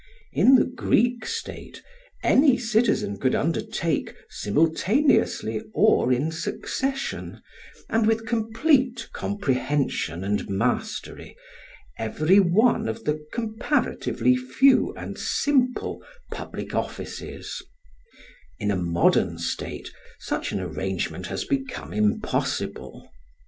In the Greek state any citizen could undertake, simultaneously or in succession, and with complete comprehension and mastery, every one of the comparatively few and simple public offices; in a modern state such an arrangement has become impossible.